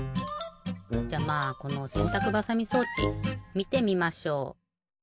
じゃまあこのせんたくばさみ装置みてみましょう！